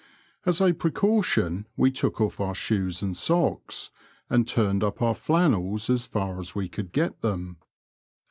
As a precaution, we took off our shoes and socks and turned up our flannels as far as we could get them.